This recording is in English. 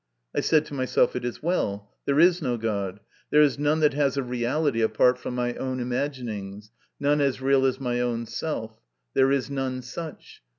I said to myself: "It is well, there is no God, there is none that has a reality apart MY CONFESSION. 113 from my own imaginings, none as real as my own life there is none such.